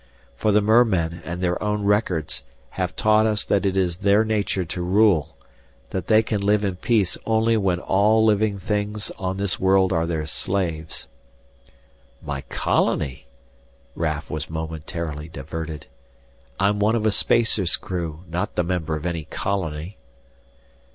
For the mermen, and their own records, have taught us that it is their nature to rule, that they can live in peace only when all living things on this world are their slaves." "My colony?" Raf was momentarily diverted. "I'm one of a spacer's crew, not the member of any colony!"